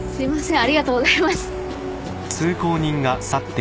ありがとうございます。